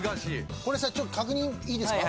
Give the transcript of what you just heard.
これさちょっと確認いいですか？